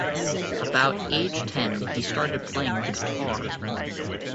About age ten, he started playing the guitar.